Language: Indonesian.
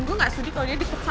gue gak butuh penjelasan dari dia